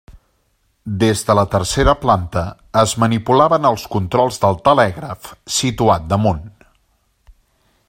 Des de la tercera planta es manipulaven els controls del telègraf situat damunt.